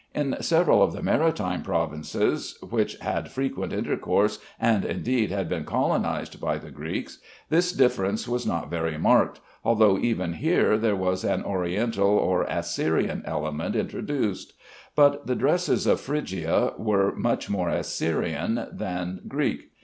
In several of the maritime provinces which had frequent intercourse, and indeed had been colonized by the Greeks, this difference was not very marked, although even here there was an Oriental or Assyrian element introduced; but the dresses of Phrygia were much more Assyrian than Greek.